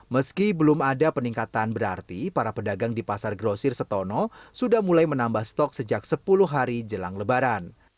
meski belum ada peningkatan berarti para pedagang di pasar grosir setono sudah mulai menambah stok sejak sepuluh hari jelang lebaran